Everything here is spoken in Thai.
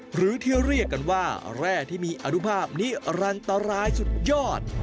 หรือที่เรียกกันว่าแร่ที่มีอนุภาพนิรันตรายสุดยอด